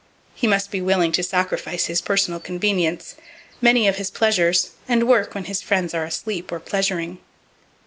He must be willing to sacrifice his personal convenience, many of his pleasures, and work when his friends are asleep or pleasuring.